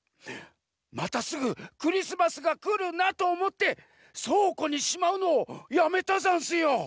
またすぐクリスマスがくるなとおもってそうこにしまうのやめたざんすよ。